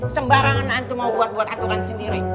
sembarangan hantu mau buat buat aturan sendiri